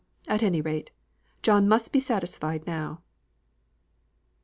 at any rate John must be satisfied now."